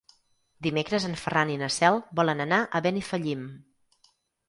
Dimecres en Ferran i na Cel volen anar a Benifallim.